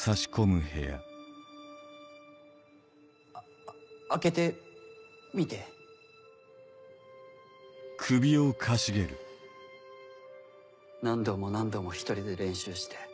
あ開けてみて何度も何度も１人で練習して。